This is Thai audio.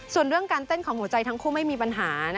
ส่วนเรื่องการเต้นของหัวใจทั้งคู่ไม่มีปัญหา